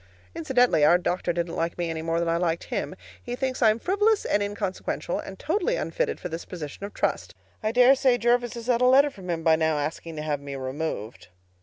Incidentally, our doctor didn't like me any more than I liked him. He thinks I'm frivolous and inconsequential, and totally unfitted for this position of trust. I dare say Jervis has had a letter from him by now asking to have me removed.